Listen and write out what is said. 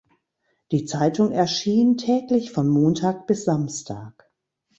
Die Zeitung erschien täglich von Montag bis Samstag.